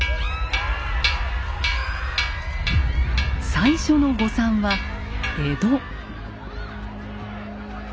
最初の誤算は江戸。